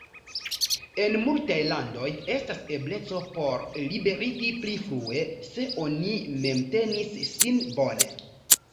En multaj landoj estas ebleco por liberigi pli frue, se oni memtenis sin bone.